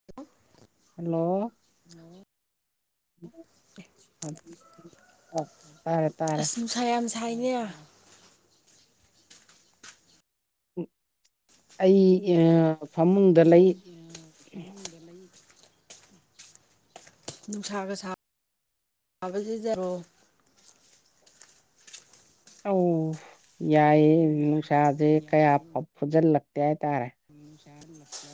[inaudible] hello ꯇꯥꯔꯦ ꯇꯥꯔꯦ ꯅꯨꯡꯁꯥ ꯌꯥꯝ ꯁꯥꯏꯅꯦ ꯑꯩꯒꯤ‌ ꯐꯃꯨꯡꯗ ꯂꯩ ꯅꯨꯡꯁꯥꯒ ꯁꯥ ꯁꯥꯕꯁꯤꯗ ꯑꯧ ꯌꯥꯏꯌꯦ ꯅꯨꯡꯁꯥꯁꯦ ꯀꯌꯥ ꯐꯧ ꯐꯨꯖꯤꯜꯂꯛꯇꯦ ꯍꯥꯏꯇꯥꯔꯦ ꯏꯁꯥꯟ ꯂꯛꯆ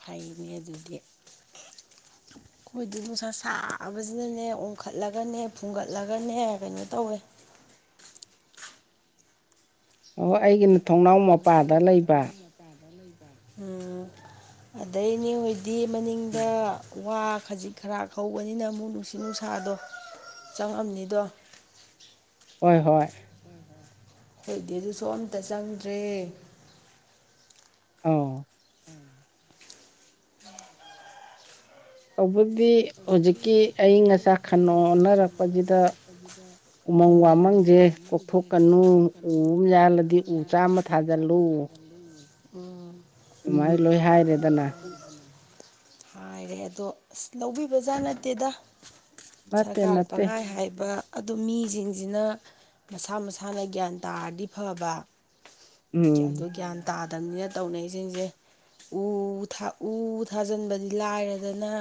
ꯐꯩꯅꯦ ꯑꯗꯨꯗꯤ ꯑꯩꯈꯣꯏꯗꯤ ꯅꯨꯡꯁꯥ ꯁꯥꯕꯁꯤꯅꯅꯦ ꯑꯣꯟꯈꯠꯂꯒꯅꯦ ꯐꯨꯡꯒꯠꯂꯒꯅꯦ ꯀꯩꯅꯣ ꯇꯧꯋꯦ ꯑꯣ ꯑꯩꯒꯤꯅ ꯊꯣꯡꯅꯥꯎ ꯃꯄꯥꯗ ꯂꯩꯕ ꯎꯝ ꯑꯗꯩ ꯅꯤꯎꯒꯤꯗꯤ ꯃꯅꯤꯡꯗ ꯋꯥ ꯈꯖꯤꯛ ꯈꯔꯥꯛ ꯍꯧꯕꯅꯤꯅ ꯑꯃꯨꯛ ꯅꯨꯡꯁꯤꯠ ꯅꯨꯡꯁꯥꯗꯣ ꯆꯪꯉꯝꯅꯤꯗꯣ ꯍꯣꯏ ꯍꯣꯏ ꯍꯣꯏꯗꯤ ꯑꯗꯨꯁꯨ ꯑꯝꯇ ꯆꯪꯗ꯭ꯔꯦ ꯑꯧ ꯇꯧꯕꯗꯤ ꯍꯧꯖꯤꯛꯀꯤ ꯑꯏꯪ ꯑꯁꯥ ꯈꯟꯅꯣ ꯑꯣꯅꯔꯛꯄꯁꯤꯗ ꯎꯃꯪ ꯋꯥꯃꯪꯁꯦ ꯀꯣꯛꯊꯣꯛꯀꯅꯨ ꯎ ꯑꯃ ꯌꯥꯜꯂꯗꯤ ꯎ ꯆꯥꯝꯃ ꯊꯥꯖꯤꯜꯂꯨ ꯑꯗꯨꯃꯥꯏ ꯂꯣꯏ ꯍꯥꯏꯔꯦꯗꯅ ꯍꯥꯏꯔꯦ ꯑꯗꯣ ꯑꯁ ꯂꯧꯕꯤꯕꯖꯥꯠ ꯅꯠꯇꯦꯗ ꯁꯔꯀꯥꯔ ꯄꯪ ꯍꯏ ꯍꯥꯏꯕ ꯑꯗꯨ ꯃꯤꯁꯤꯡꯁꯤꯅ ꯃꯁꯥ ꯃꯁꯥꯅ ꯒ꯭ꯌꯥꯟ ꯇꯥꯔꯗꯤ ꯐꯕ ꯑꯗꯣ ꯒ꯭ꯌꯥꯟ ꯇꯥꯗꯕꯅꯤꯅ ꯇꯧꯅꯩꯁꯤꯡꯁꯦ ꯎ ꯊꯥ ꯎ ꯊꯥꯖꯤꯟꯕꯗꯤ ꯂꯥꯏꯔꯗꯅ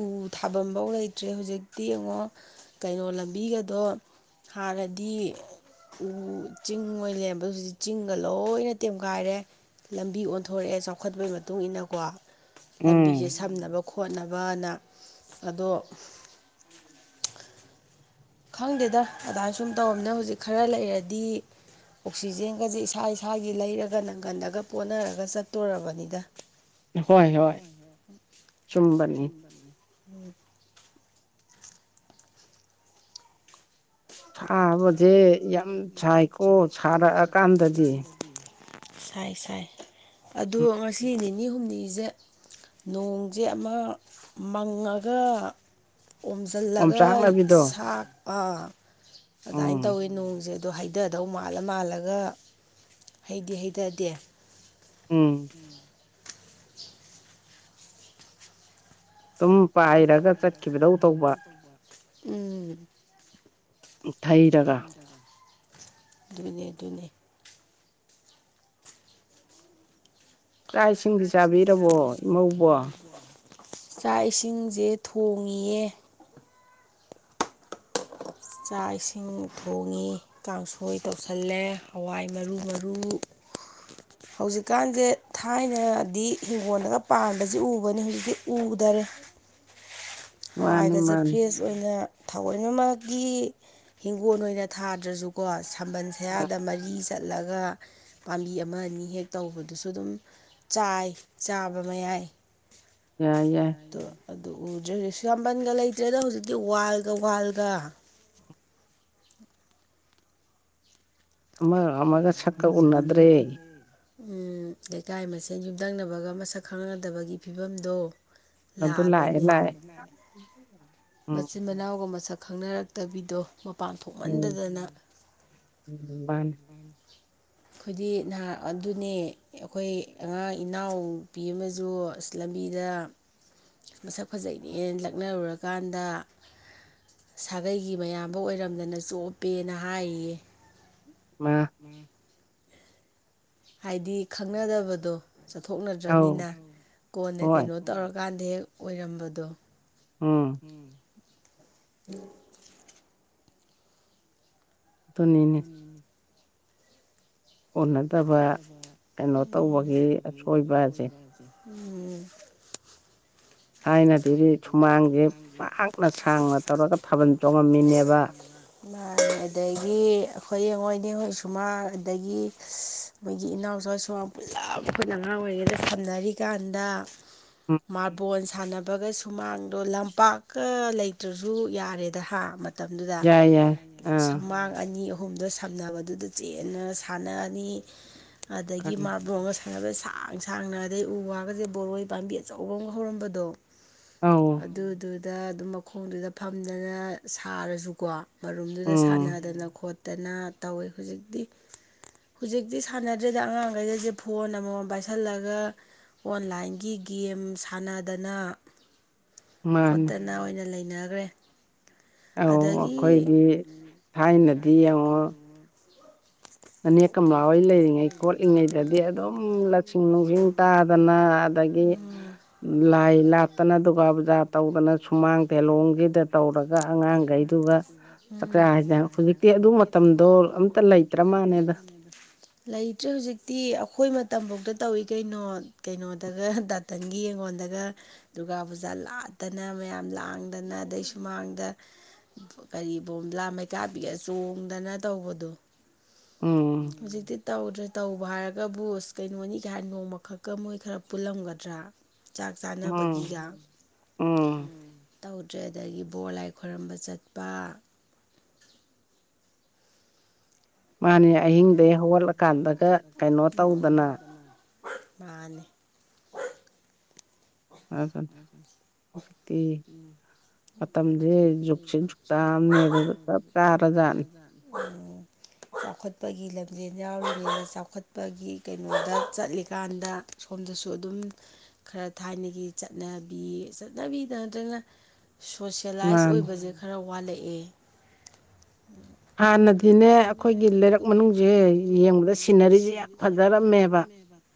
ꯎ ꯊꯥꯐꯝ ꯐꯧ ꯂꯩꯇ꯭ꯔꯦ ꯍꯧꯖꯤꯛꯇꯤ ꯌꯦꯡꯉꯣ ꯀꯩꯅꯣ ꯂꯝꯕꯤꯒꯗꯣ ꯍꯥꯟꯅꯗꯤ ꯎ ꯆꯤꯡ ꯑꯣꯏ ꯂꯦꯝꯕ ꯍꯧꯖꯤꯠꯗꯤ ꯆꯤꯡꯒ ꯂꯣꯏꯅ ꯇꯦꯝꯈꯥꯏꯔꯦ ꯂꯝꯕꯤ ꯑꯣꯟꯊꯣꯔꯛꯑꯦ ꯆꯥꯎꯈꯠꯄꯩ ꯃꯇꯨꯡ ꯏꯟꯅꯀꯣ ꯂꯝꯕꯤꯁꯦ ꯁꯝꯅꯕ ꯈꯣꯠꯅꯕꯅ ꯑꯗꯣ ꯈꯪꯗꯦꯗ ꯑꯗꯥꯏ ꯁꯨꯝ ꯇꯧꯔꯝꯗꯧ ꯍꯧꯖꯤꯛ ꯈꯔ ꯂꯩꯔꯗꯤ ꯑꯣꯛꯁꯤꯖꯦꯟꯒꯁꯦ ꯏꯁꯥ ꯏꯁꯥꯒꯤ ꯂꯩꯔꯒ ꯅꯪꯒꯟꯗꯒ ꯄꯣꯟꯅꯔꯒ ꯆꯠꯇꯣꯔꯔꯕꯅꯤꯗ [inaudible] ꯁꯥꯕꯁꯦ ꯌꯥꯝ ꯁꯥꯏꯀꯣ ꯁꯥꯔꯛꯑꯀꯥꯟꯗꯗꯤ ꯁꯥꯏ ꯁꯥꯏ ꯑꯗꯣ ꯉꯁꯤ ꯅꯤꯅꯤ ꯍꯨꯝꯅꯤꯁꯦ ꯅꯣꯡꯁꯦ ꯑꯃ ꯃꯪꯉꯒ ꯀꯣꯝꯖꯤꯜꯂꯒ ꯁꯥꯛ ꯑ ꯑꯗꯥꯏꯟꯅ ꯇꯧꯋꯦ ꯅꯣꯡꯁꯦ ꯑꯗꯣ ꯍꯩꯊꯗꯧ ꯃꯥꯜꯂ ꯃꯥꯜꯂꯒ ꯍꯩꯗꯤ ꯍꯩꯊꯗꯦ ꯎꯝ [inaudible] ꯑꯗꯨꯝ ꯄꯥꯏꯔꯒ ꯆꯠꯈꯤꯕꯗꯧ ꯇꯧꯕ ꯎꯝ ꯑꯗꯨꯅꯦ ꯑꯗꯨꯅꯦ ꯆꯥꯛ ꯏꯁꯤꯡꯗꯤ ꯆꯥꯕꯤꯔꯕꯣ ꯏꯃꯧꯕꯣ [unintelligible] ꯆꯥꯛ ꯏꯁꯤꯡꯁꯦ ꯊꯣꯡꯉꯤꯌꯦ ꯆꯥꯛ ꯏꯁꯤꯡ ꯊꯣꯡꯉꯤ ꯀꯥꯡꯁꯣꯏ ꯇꯧꯁꯜꯂꯦ ꯍꯋꯥꯏ ꯃꯔꯨ ꯃꯔꯨ ꯍꯧꯖꯤꯛꯀꯥꯟꯁꯦ ꯊꯥꯏꯅꯗꯤ ꯍꯤꯡꯒꯣꯜꯂꯒ ꯄꯥꯟꯕꯁ ꯎꯕꯅꯤ ꯍꯧꯖꯤꯛꯇꯤ ꯎꯗꯔꯦ ꯍꯋꯥꯏꯒꯁꯦ ꯐ꯭ꯔꯦꯁ ꯑꯣꯏꯅ ꯊꯑꯣꯏꯅꯃꯛꯀꯤ ꯍꯤꯡꯒꯣꯜ ꯑꯣꯏꯅ ꯊꯥꯗ꯭ꯔꯁꯨ ꯀꯣ ꯁꯝꯕꯜ ꯁꯌꯥꯗ ꯃꯔꯤ ꯆꯠꯂꯒ ꯄꯥꯝꯕꯤ ꯑꯃ ꯑꯅꯤ ꯍꯦꯛ ꯇꯧꯕꯗꯨꯁꯨ ꯑꯗꯨꯝ ꯆꯥꯏ ꯆꯥꯕ ꯃꯌꯥꯏ ꯑꯗꯣ ꯑꯗꯨ ꯎꯖꯔꯤꯁꯤ ꯁ꯭ꯌꯥꯝꯝꯕꯟꯒ ꯂꯩꯇ꯭ꯔꯦꯗ ꯍꯧꯖꯤꯛꯇꯤ ꯋꯥꯜꯒ ꯋꯥꯜꯒ ꯑꯃꯒ ꯑꯃꯒ ꯁꯛꯀ ꯎꯅꯗ꯭ꯔꯦ ꯎ ꯂꯩꯀꯥꯏ ꯃꯁꯦꯟ ꯌꯨꯝꯊꯪꯅꯕꯒ ꯃꯁꯛ ꯈꯪꯅꯗꯕꯒꯤ ꯐꯤꯕꯝꯗꯣ ꯂꯥꯛꯑꯕꯅꯤ ꯃꯆꯤꯟ ꯃꯅꯥꯎꯒ ꯃꯁꯛ ꯈꯪꯅꯔꯛꯇꯕꯤꯗꯣ ꯃꯄꯥꯟ ꯊꯣꯛꯍꯟꯗꯗꯅ ꯑꯩꯈꯣꯏꯗꯤ ꯅꯍꯥꯛ ꯑꯗꯨꯅꯦ ꯑꯩꯈꯣꯏ ꯑꯉꯥꯡ ꯏꯅꯥꯎꯄꯤ ꯑꯃꯖꯨ ꯑꯁ ꯂꯝꯕꯤꯗ ꯃꯁꯛ ꯐꯖꯩꯅꯦ ꯂꯛꯅꯔꯨꯔꯀꯥꯟꯗ ꯁꯥꯒꯩꯒꯤ ꯃꯌꯥꯝꯕ ꯑꯣꯏꯔꯝꯗꯅ ꯆꯣꯞꯄꯦꯅ ꯍꯥꯏꯌꯦ ꯃꯥ [unintelligible] ꯍꯥꯏꯗꯤ ꯈꯪꯅꯗꯕꯗꯣ ꯆꯠꯊꯣꯛꯅꯗ꯭ꯔꯕꯅꯤꯅ ꯀꯣꯟꯅ ꯀꯩꯅꯣ ꯇꯧꯔꯀꯥꯟꯗ ꯍꯦꯛ ꯑꯣꯏꯔꯝꯕꯗꯣ ꯎꯝ ꯑꯗꯨꯅꯤꯅꯦ [unintelligible] ꯊꯥꯏꯅꯗꯤ ꯁꯨꯃꯥꯡꯁꯦ ꯄꯥꯛꯅ ꯁꯥꯡꯅ ꯇꯧꯔꯒ ꯊꯥꯕꯜ ꯆꯣꯡꯉꯝꯃꯤꯅꯦꯕ ꯑꯗꯒꯤ ꯑꯩꯈꯣꯏ ꯌꯦꯡꯉꯣꯏꯅꯦ ꯍꯣꯏ ꯁꯨꯃꯥꯡ ꯑꯗꯒꯤ ꯃꯣꯏꯒꯤ ꯏꯅꯥꯎꯆ ꯍꯣꯏ ꯁꯨꯃꯥꯡ ꯄꯨꯂꯞ ꯑꯩꯈꯣꯏꯅ ꯑꯉꯥꯡ ꯑꯣꯏꯔꯤꯉꯩꯗ ꯁꯝꯅꯔꯤꯀꯥꯟꯗ ꯃꯥꯔꯕꯣꯟ ꯁꯥꯟꯅ ꯕꯒ ꯁꯨꯃꯥꯡꯗꯣ ꯂꯝꯄꯥꯛꯀ ꯂꯩꯇ꯭ꯔꯁꯨ ꯌꯥꯔꯦꯗ ꯍꯥ ꯃꯇꯝꯗꯨꯗ ꯁꯨꯃꯥꯡ ꯑꯅꯤ ꯑꯍꯨꯝ ꯁꯝꯅꯕꯗꯨꯗ ꯆꯦꯟꯅ ꯁꯥꯟꯅꯔꯅꯤ ꯑꯗꯒꯤ ꯃꯥꯔꯕꯣꯟꯒ ꯅꯕ ꯁꯥꯡ ꯁꯥꯡꯅ ꯑꯗꯩ ꯎ ꯋꯥꯒꯁꯦ ꯕꯣꯔꯣꯏ ꯄꯥꯝꯕꯤ ꯑꯆꯧꯕ ꯑꯃꯒ ꯍꯧꯔꯝꯕꯗꯣ ꯑꯗꯨꯗꯨꯗ ꯑꯗꯨꯝ ꯃꯈꯣꯡꯗꯨꯗ ꯐꯝꯗꯅ ꯁꯥꯔꯁꯨꯀꯣ ꯃꯔꯨꯝꯗꯨꯗ ꯁꯥꯟꯅꯗꯅ ꯈꯣꯠꯇꯅ ꯇꯧꯋꯦ ꯍꯧꯖꯤꯛꯇꯤ ꯍꯧꯖꯤꯛꯇꯤ ꯁꯥꯟꯅꯗ꯭ꯔꯦꯗ ꯑꯉꯥꯡꯈꯩꯁꯦ ꯐꯣꯟ ꯑꯃꯃꯝ ꯄꯥꯏꯁꯜꯂꯒ ꯑꯣꯟꯂꯥꯏꯟꯒꯤ ꯒꯦꯝ ꯁꯥꯟꯅꯗꯅ ꯈꯣꯠꯇꯅ ꯑꯣꯏꯅ ꯂꯩꯅꯒ꯭ꯔꯦ ꯑꯧ ꯑꯩꯈꯣꯏꯗꯤ ꯊꯥꯏꯅꯗꯤ ꯌꯦꯡꯉꯣ [unintelligible] ꯍꯣꯏ ꯂꯩꯔꯤꯉꯩ ꯈꯣꯠꯂꯤꯉꯩꯗꯗꯤ ꯑꯗꯨꯝ ꯂꯁꯤꯡ ꯅꯨꯡꯁꯤꯡ ꯇꯥꯗꯅ ꯑꯗꯒꯤ ꯂꯥꯏ ꯂꯥ ꯇꯅ ꯗꯨꯔꯒꯥ ꯄꯨꯖꯥ ꯇꯧꯗꯅ ꯁꯨꯃꯥꯡ ꯇꯦꯂꯣꯡꯖꯤꯗ ꯇꯧꯔꯒ ꯑꯉꯥꯡꯈꯩꯗꯨꯒ ꯀ꯭ꯔꯥ ꯍꯥꯏꯗ ꯍꯧꯖꯤꯛꯇꯤ ꯑꯗꯨ ꯃꯇꯝꯗꯣ ꯑꯝꯇ ꯂꯩ [unintelligible] ꯂꯩꯇ꯭ꯔꯦ ꯍꯧꯖꯤꯛꯇꯤ ꯑꯩꯈꯣꯏ ꯃꯇꯝꯐꯥꯎꯗ ꯇꯧꯋꯤ ꯀꯩꯅꯣ ꯀꯩꯅꯣꯗꯒ ꯈꯤꯇꯪꯒꯤ ꯑꯩꯉꯣꯟꯗꯒ ꯗꯨꯔꯒꯥ ꯄꯨꯖꯥ ꯂꯥꯠꯇꯅ ꯃꯌꯥꯝ ꯂꯥꯡꯗꯅ ꯑꯗꯩ ꯁꯨꯃꯥꯡꯗ ꯀꯔꯤ ꯕꯣꯝꯕꯂꯥ ꯃꯩꯀꯥꯞꯕꯤꯒ ꯆꯣꯡꯗꯅ ꯇꯧꯕꯗꯣ ꯎꯝ ꯍꯧꯖꯤꯛꯇꯤ ꯇꯧꯗ꯭ꯔꯦ ꯇꯧꯕ ꯍꯥꯏꯔꯒꯕꯨ ꯏꯁ ꯀꯩꯅꯣꯅꯤ ꯀꯩ ꯍꯥꯏ ꯅꯣꯡꯃ ꯈꯛꯀ ꯃꯣꯏ ꯈꯔ ꯄꯨꯜꯂꯝꯒꯗ꯭ꯔꯥ ꯆꯥꯛ ꯆꯥꯅꯕꯒꯤꯒ ꯇꯧꯗ꯭ꯔꯦ ꯑꯗꯒꯤ ꯕꯣꯔ ꯂꯥꯏ ꯈꯣꯏꯔꯝꯕ ꯆꯠꯄ ꯃꯥꯅꯦ ꯑꯍꯤꯡꯗꯩ ꯍꯧꯒꯠꯂꯀꯥꯟꯗꯒ ꯀꯩꯅꯣ ꯇꯧꯗꯅ ꯃꯥꯅꯦ [unintelligible] ꯍꯨꯖꯤꯛꯇꯤ ꯃꯇꯝꯖꯦ ꯖꯨꯛꯁꯦ ꯖꯨꯛꯇꯥꯑꯝꯅꯦ ꯗꯨꯗ ꯆꯞ ꯆꯥꯔꯖꯥꯠꯅꯤ [unintelligible] ꯆꯥꯎꯈꯠꯄꯒꯤ ꯂꯝꯖꯦꯟ ꯌꯥꯎꯔꯤꯅꯦꯅ ꯆꯥꯎꯈꯠꯄꯒꯤ ꯀꯩꯅꯣꯗ ꯆꯠꯂꯤꯀꯥꯟꯗ ꯁꯣꯝꯗꯁꯨ ꯑꯗꯨꯝ ꯈꯔ ꯊꯥꯏꯅꯒꯤ ꯆꯠꯅꯕꯤ ꯆꯠꯅꯕꯤꯗ ꯅꯠꯇ꯭ꯔꯒ ꯁꯣꯁꯦꯂꯥꯏꯁ ꯑꯣꯏꯕꯖꯦ ꯈ ꯈꯔ ꯋꯥꯠꯂꯛꯑꯦ ꯍꯥꯟꯅ [inaudible]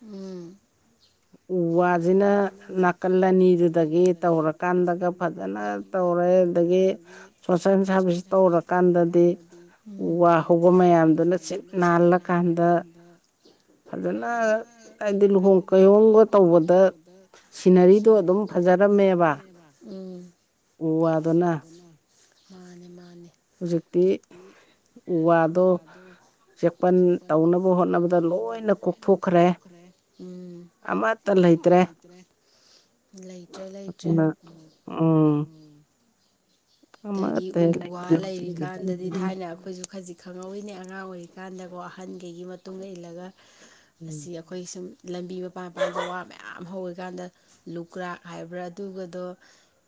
ꯎꯝ ꯎ ꯋꯥꯖꯤꯅ ꯅꯥꯀꯜ ꯑꯅꯤꯗꯨꯗꯒꯤ ꯇꯧꯔꯀꯥꯟꯗꯒ ꯐꯖꯅ ꯇꯧꯔꯦ ꯑꯗꯒꯤ ꯁꯣꯁꯦꯟ ꯁꯥꯔꯚꯤꯁ ꯇꯧꯔꯀꯥꯟꯗꯗꯤ ꯎ ꯋꯥ ꯍꯧꯕ ꯃꯌꯥꯝꯗꯨꯅ [unintelligible] ꯀꯩꯍꯣꯝꯒ ꯇꯧ ꯇꯧꯕꯗ ꯁꯤꯟꯅꯔꯤꯗꯣ ꯑꯗꯨꯝ ꯐꯖꯔꯝꯃꯦꯕꯥ ꯎꯝ ꯎ ꯋꯥꯗꯨꯅ ꯃꯥꯅꯤ ꯃꯥꯅꯤ ꯍꯨꯖꯤꯛꯇꯤ ꯎ ꯋꯥꯗꯣ ꯆꯦꯛꯄꯟ ꯇꯧꯅꯕ ꯍꯣꯠꯅꯕꯗ ꯂꯣꯏꯅ ꯀꯣꯛꯊꯣꯛꯈ꯭ꯔꯦ ꯎꯝ ꯑꯃꯠꯇ ꯂꯩꯇ꯭ꯔꯦ ꯂꯩꯇ꯭ꯔꯦ ꯂꯩꯇ꯭ꯔꯦ ꯎꯝ ꯎꯝ ꯑꯗꯒꯤ ꯎ ꯋꯥ ꯂꯩꯔꯤꯀꯥꯟꯗꯗꯤ ꯊꯥꯏꯅ ꯑꯈꯣꯏꯖꯨ ꯈꯖꯤꯛ ꯈꯪꯍꯧꯋꯤꯅꯦ ꯑꯉꯥꯡ ꯑꯣꯏꯔꯤꯀꯥꯟꯗꯀꯣ ꯑꯍꯟꯒꯩꯒꯤ ꯃꯇꯨꯡ ꯏꯜꯂꯒ ꯑꯁꯤ ꯈꯣꯏ ꯁꯨꯝ ꯂꯝꯕꯤ ꯃꯄꯥꯥꯟ ꯃꯄꯥꯝꯖꯦ ꯋꯥ ꯃꯌꯥꯝ ꯍꯧꯋꯤꯀꯥꯟꯗ ꯂꯨꯀ꯭ꯔꯥꯛ ꯍꯥꯏꯕ꯭ꯔꯥ ꯑꯗꯨꯒꯗꯣ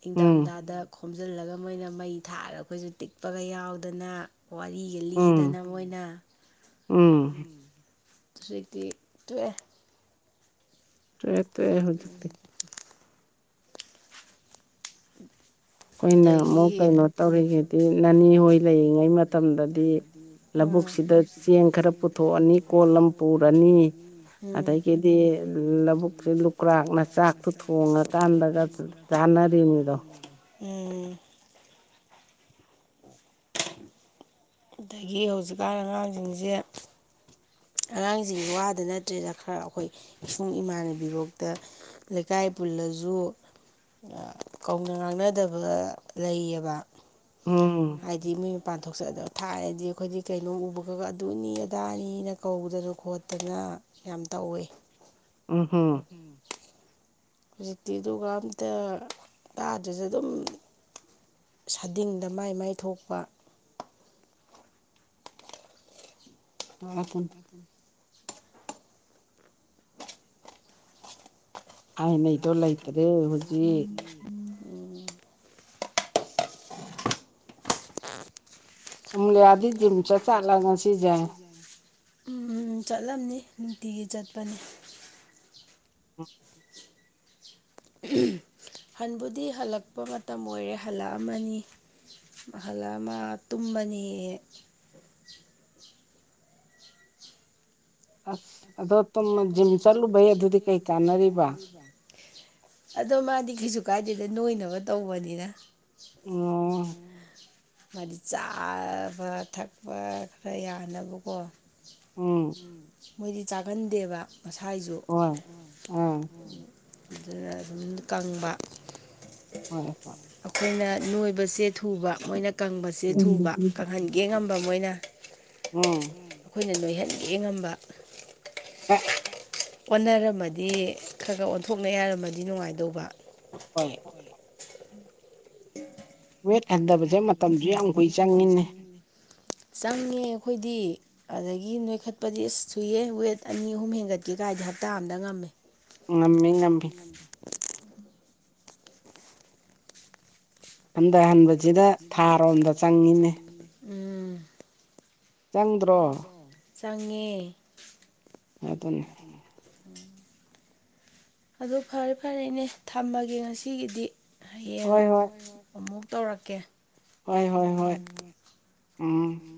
ꯏꯪꯗꯝꯗꯥꯗ ꯈꯣꯝꯖꯤꯜꯂꯒ ꯃꯣꯏꯅ ꯃꯩ ꯊꯥꯔ ꯑꯈꯣꯏꯖꯨ ꯇꯤꯛꯄꯒ ꯌꯥꯎꯗꯅ ꯋꯥꯔꯤꯒ ꯂꯤꯗꯅ ꯃꯣꯏꯅ ꯎꯝ ꯍꯧꯖꯤꯛꯇꯤ ꯇꯣꯛ ꯑꯦ ꯎꯝ ꯎꯝ [unintelligible] ꯑꯗꯒꯤ ꯀꯩꯅꯣ ꯇꯧꯔꯤꯗꯨꯗꯤ ꯃꯅꯤꯉꯣꯝ ꯂꯩꯔꯤꯉꯩ ꯃꯇꯝꯗꯗꯤ ꯂꯕꯨꯛꯁꯤꯗ ꯆꯦꯡ ꯈꯔ ꯄꯨꯊꯣꯛꯑꯅꯤ ꯀꯣꯜ ꯑꯝ ꯄꯨꯔꯅꯤ ꯑꯗꯩ ꯀꯤꯗꯤ ꯂꯕꯨꯛꯁꯦ ꯂꯨꯀ꯭ꯔꯥꯛꯅ ꯆꯥꯛꯇꯣ ꯊꯣꯡꯉꯀꯥꯟꯗꯒ ꯆꯥꯅꯔꯤꯅꯤꯗꯣ [unintelligible] ꯑꯗꯒꯤ ꯍꯧꯖꯤꯛꯀꯥꯟ ꯑꯉꯥꯡꯖꯤꯡꯖꯦ ꯑꯉꯥꯡꯖꯤꯡꯒꯤ ꯋꯥꯗ ꯅꯠꯇ꯭ꯔꯦꯗ ꯈꯔ ꯑꯈꯣꯏ ꯏꯁꯨꯡ ꯏꯃꯥꯟꯅꯕꯤ ꯕꯧꯇꯥ ꯂꯩꯀꯥꯏ ꯄꯨꯜꯂꯖꯨ ꯀꯧꯅ ꯉꯥꯡꯅꯗꯕ ꯂꯩꯌꯦꯕ ꯍꯥꯏꯗꯤ ꯃꯤ ꯄꯥꯟꯊꯣꯛꯆꯗ ꯊꯥꯏꯅꯗꯤ ꯑꯈꯣꯏꯗꯤ ꯀꯩꯅꯣꯝ ꯎꯕꯒꯒ ꯑꯗꯨꯅꯤ ꯑꯗꯥꯅꯤꯅ ꯀꯧꯗꯅ ꯈꯣꯠꯇꯅ ꯌꯥꯝ ꯇꯧꯋꯤ ꯎꯝ ꯎꯝ ꯍꯨꯖꯤꯛꯇꯤ ꯑꯗꯨꯒ ꯑꯝꯇ ꯇꯥꯗ꯭ꯔꯦꯖꯨ ꯑꯗꯨꯝ ꯁꯥꯗꯤꯡꯗ ꯃꯥꯏ ꯃꯥꯏ ꯊꯣꯛꯄ ꯑꯗꯨꯅꯤ ꯊꯥꯏꯅꯩꯗꯣ ꯂꯩꯇ꯭ꯔꯦ ꯍꯨꯖꯤꯛ ꯑꯃꯨꯂꯦꯌꯥꯗꯤ ꯖꯤꯝ [unintelligible] ꯎꯝ ꯆꯠꯂꯝꯅꯤ ꯅꯨꯡꯇꯤꯒꯤ ꯆꯠꯄꯅꯦ [unintelligible] [unintelligible] ꯍꯟꯕꯨꯗꯤ ꯍꯜꯂꯛꯄ ꯃꯇꯝ ꯑꯣꯏꯔꯦ ꯍꯜꯂꯛꯑꯝꯃꯥꯅꯤ ꯍꯥꯂꯥ ꯃꯥ ꯇꯨꯝꯃꯥꯅꯤ ꯑꯁ ꯑꯗꯣ ꯇꯨꯝꯃꯥ ꯖꯤꯝ ꯆꯠꯂꯨꯕꯩ ꯑꯗꯨꯗꯤ ꯀꯩ ꯀꯥꯟꯅꯔꯤꯕ ꯑꯗꯣ ꯃꯥꯗꯤ ꯀꯩꯁꯨ ꯀꯥꯏꯗꯦꯗ ꯅꯣꯏꯅꯕ ꯇꯧꯕꯅꯤꯅ [unintelligible] ꯃꯥꯗꯤ ꯆꯥꯕ ꯊꯛꯄ ꯈꯔ ꯌꯥꯅꯕꯀꯣ ꯎꯝ ꯃꯣꯏꯗꯤ ꯆꯥꯒꯟꯗꯦꯕ ꯃꯁꯥꯏꯖꯨ [unintelligible] ꯑꯗꯨꯅ ꯑꯗꯨꯝ ꯀꯪꯕ ꯍꯣꯏ ꯍꯣꯏ ꯑꯩꯈꯣꯏꯅ ꯅꯣꯏꯕꯁꯦ ꯊꯨꯕ ꯃꯣꯏꯅ ꯀꯪꯕꯁꯦ ꯊꯨꯕ ꯀꯪꯍꯟꯒꯦ ꯉꯝꯕ ꯃꯣꯏꯅ ꯎꯝ ꯑꯩꯈꯣꯏꯅ ꯅꯣꯏꯍꯟꯒꯦ ꯉꯝꯕ [unintelligible] ꯑꯣꯟꯅꯔꯝꯃꯗꯤ ꯈꯔ ꯈꯔ ꯑꯣꯟꯊꯣꯛꯅ ꯌꯥꯔꯝꯃꯗꯤ ꯅꯨꯡꯉꯥꯏꯗꯧꯕ ꯍꯣꯏ ꯋꯦꯠ ꯍꯟꯊꯕꯁꯦ ꯃꯇꯝꯁꯨ ꯌꯥꯝ ꯀꯨꯏ ꯆꯪꯉꯤꯅꯦ ꯆꯪꯉꯦ ꯑꯩꯈꯣꯏꯗꯤ ꯑꯗꯒꯤ ꯅꯣꯏꯈꯠꯄꯗꯤ ꯑꯁ ꯁꯨꯏꯌꯦ ꯋꯦꯠ ꯑꯅꯤ ꯑꯍꯨꯝ ꯍꯦꯟꯒꯠꯀꯦ ꯀꯥꯏꯗꯤ ꯍꯞꯇꯥ ꯑꯝꯗ ꯉꯝꯃꯦ ꯉꯝꯃꯤ ꯉꯝꯃꯤ ꯎꯝ ꯍꯟꯊꯍꯟꯕꯁꯤꯗ ꯊꯥꯔꯣꯝꯗ ꯆꯪꯉꯤꯅꯦ ꯎꯝ ꯆꯪꯉꯦ ꯑꯗꯨ ꯑꯗꯨꯝ ꯎ ꯑꯗꯨ ꯐꯔꯦ ꯐꯔꯦ ꯏꯅꯦ ꯊꯝꯃꯒꯦ ꯉꯁꯤꯒꯤꯗꯤ ꯍꯌꯦꯡ ꯑꯃꯨꯛ ꯇꯧꯔꯛꯀꯦ ꯎ